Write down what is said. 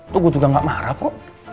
tuh gue juga gak marah kok